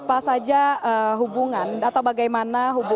banyak sekali raja raja di sumatera utara yang diberikan kado